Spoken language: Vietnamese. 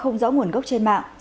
không rõ nguồn gốc trên mạng